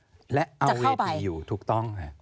จะเข้าไปและเอาไว้ที่อยู่ถูกต้อง